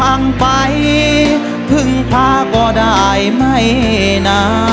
อร่อยไม่หวานเลยรส